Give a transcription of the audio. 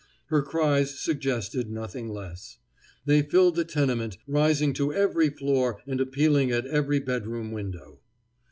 Her cries suggested nothing less. They filled the tenement, rising to every floor and appealing at every bedroom window.